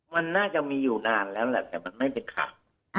มันน่าจะมีอยู่นานแล้วแหละแต่มันไม่เป็นข่าว